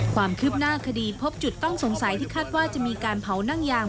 ความคืบหน้าคดีพบจุดต้องสงสัยที่คาดว่าจะมีการเผานั่งยาง